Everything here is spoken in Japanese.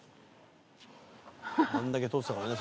あんだけ捕ってたからね。